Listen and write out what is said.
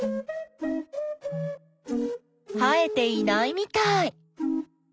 生えていないみたい。